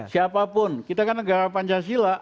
siapapun kita kan negara pancasila